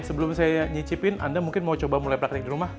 sebelum saya nyicipin anda mungkin mau coba mulai praktik di rumah